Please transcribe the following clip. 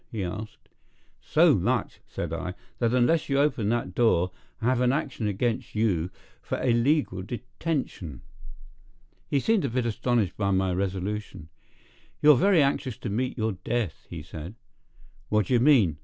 he asked. "So much," said I, "that unless you open that door I'll have an action against you for illegal detention." He seemed a bit astonished by my resolution. "You're very anxious to meet your death," he said. "What d'ye mean?"